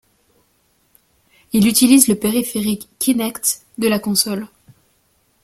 Il utilise le périphérique Kinect de la console.